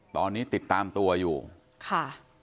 ตอนนี้ติดตามตัวอยู่ค่ะ